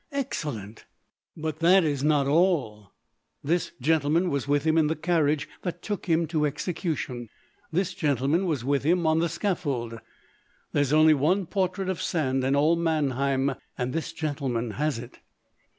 "Excellent!" "But that is not all: this gentleman was with him in the carriage that took him to execution; this gentleman was with him on the scaffold; there's only one portrait of Sand in all Mannheim, and this gentleman has it."